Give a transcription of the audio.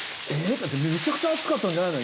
めちゃくちゃ熱かったんじゃないの？